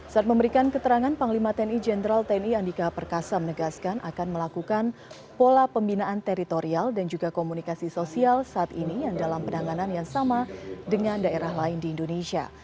saat memberikan keterangan panglima tni jenderal tni andika perkasa menegaskan akan melakukan pola pembinaan teritorial dan juga komunikasi sosial saat ini yang dalam penanganan yang sama dengan daerah lain di indonesia